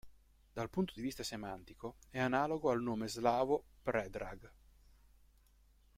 Dal punto di vista semantico, è analogo al nome slavo Predrag.